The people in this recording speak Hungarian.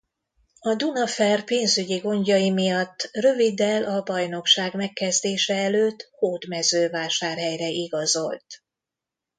A Dunaferr pénzügyi gondjai miatt röviddel a bajnokság megkezdése előtt Hódmezővásárhelyre igazolt.